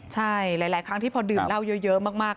ใช่หลายครั้งที่พอดื่มเหล้าเยอะมาก